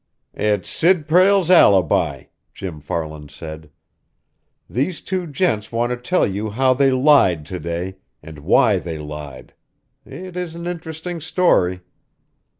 "It's Sid Prale's alibi," Jim Farland said. "These two gents want to tell you how they lied to day, and why they lied. It is an interesting story."